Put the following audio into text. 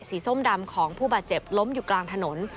ส้มดำของผู้บาดเจ็บล้มอยู่กลางถนน